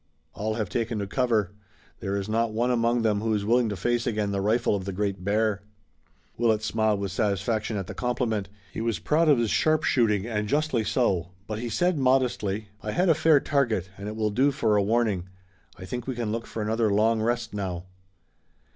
"All have taken to cover. There is not one among them who is willing to face again the rifle of the Great Bear." Willet smiled with satisfaction at the compliment. He was proud of his sharp shooting, and justly so, but he said modestly: "I had a fair target, and it will do for a warning. I think we can look for another long rest now."